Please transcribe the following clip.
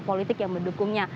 dan politik yang mendukungnya